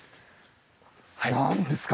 何ですか？